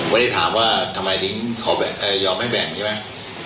วันนี้ถามว่าทำไมทิ้งขอยอมให้แบ่งใช่ไหม